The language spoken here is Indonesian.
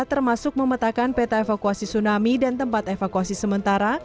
termasuk memetakan peta evakuasi tsunami dan tempat evakuasi sementara